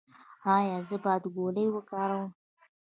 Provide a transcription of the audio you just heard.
ایا زه باید ګولۍ وکاروم؟